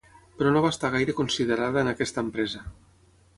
Però no va estar gaire considerada en aquesta empresa.